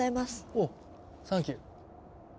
おっサンキュー。